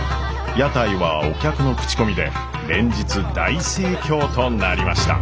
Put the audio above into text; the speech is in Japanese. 屋台はお客の口コミで連日大盛況となりました。